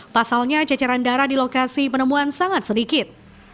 pasalnya ceceran darah di lokasi penemuan sangat sedikit